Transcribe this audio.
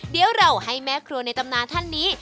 เดี๋ยวเราให้แม่ครัวในตำนานท่านนี้